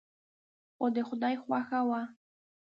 خو د خدای خوښه وه.